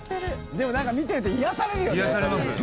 でもなんか見てると癒やされるよね。